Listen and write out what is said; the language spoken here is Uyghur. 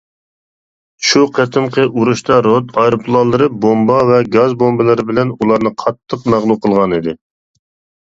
شۇ قېتىمقى ئۇرۇشتا رود ئايروپىلانلىرى بومبا ۋە گاز بومبىلىرى بىلەن ئۇلارنى قاتتىق مەغلۇپ قىلغان ئىدى.